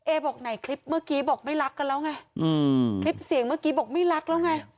บอกไหนคลิปเมื่อกี้บอกไม่รักกันแล้วไงอืมคลิปเสียงเมื่อกี้บอกไม่รักแล้วไง